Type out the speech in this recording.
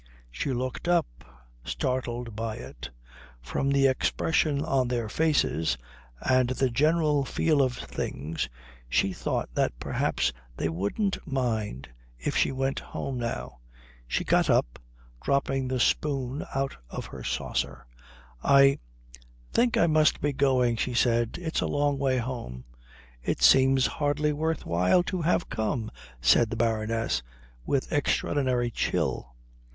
She looked up, startled by it. From the expression on their faces and the general feel of things she thought that perhaps they wouldn't mind if she went home now. She got up, dropping the spoon out of her saucer. "I think I must be going," she said. "It's a long way home." "It seems hardly worth while to have come," said the Baroness with extraordinary chill.